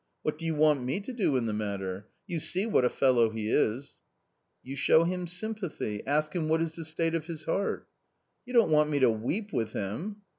" What do you want me to do in the matter ? you see what a fellow he is !"" You show him sympathy ; ask him what is the state of his heart." "You don't want me to weep with him?